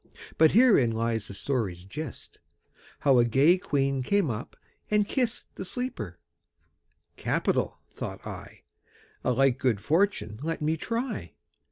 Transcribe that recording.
But herein lies the story's gist, How a gay queen came up and kist The sleeper. 'Capital!' thought I. 'A like good fortune let me try.'